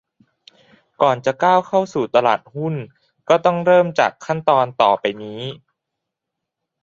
ก่อนจะก้าวเข้าสู่ตลาดหุ้นก็ต้องเริ่มจากขั้นตอนต่อไปนี้